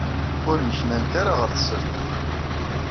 Ur nneknant ara ɣer tsertit.